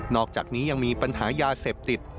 อกจากนี้ยังมีปัญหายาเสพติด